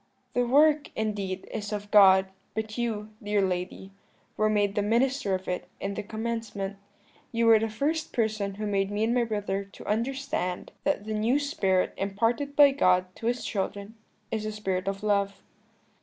"'The work, indeed, is of God; but you, dear lady, were made the minister of it in the commencement. You were the first person who made me and my brother to understand that the new spirit imparted by God to His children is the spirit of love.'